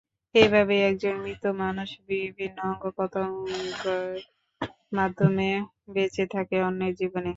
এভাবেই একজন মৃত মানুষ বিভিন্ন অঙ্গপ্রত্যঙ্গের মাধ্যমে বেঁচে থাকে অন্যের জীবনে।